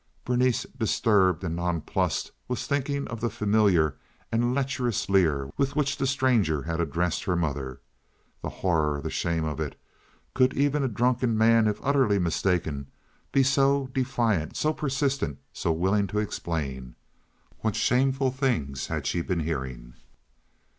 Berenice, disturbed and nonplussed, was thinking of the familiar and lecherous leer with which the stranger had addressed her mother—the horror, the shame of it. Could even a drunken man, if utterly mistaken, be so defiant, so persistent, so willing to explain? What shameful things had she been hearing?